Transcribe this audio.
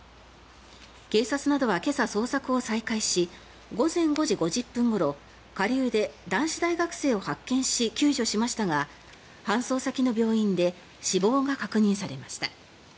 警察などは今朝、捜索を再開し午前５時５０分ごろ下流で男子大学生を発見し救助しましたが搬送先の病院で死亡が確認されました。